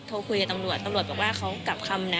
โทรคุยกับตำรวจตำรวจบอกว่าเขากลับคำนะ